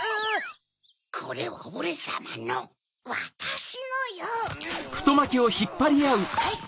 これはオレさまの！わたしのよ！はいっ！